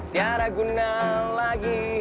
tidak ada guna lagi